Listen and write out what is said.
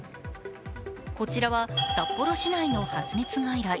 こちらは札幌市内の発熱外来。